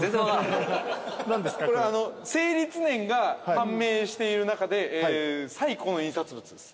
これ成立年が判明している中で最古の印刷物です。